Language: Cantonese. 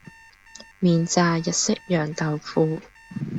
免炸日式揚豆腐